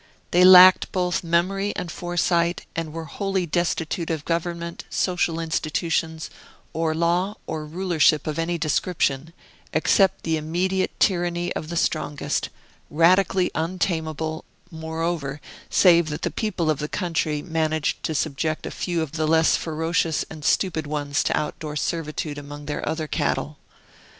They lacked both memory and foresight, and were wholly destitute of government, social institutions, or law or rulership of any description, except the immediate tyranny of the strongest; radically untamable, moreover, save that the people of the country managed to subject a few of the less ferocious and stupid ones to outdoor servitude among their other cattle.